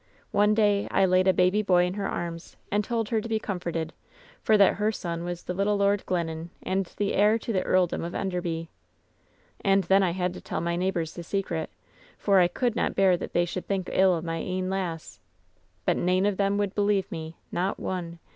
One day I laid a baby boy in her arms and told her to be com forted, for that her son was the little Lord Glennon and the heir to the Earldom of Enderby. "And then I had to tell my neighbors the secret, for I could not bear they should think ill o' my ain lass. But nane o' them would believe me. Not one.